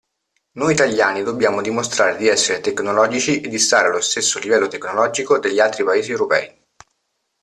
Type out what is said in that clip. Noi italiani dobbiamo dimostrare di essere tecnologici e di stare allo stesso livello tecnologico degli altri paesi europei.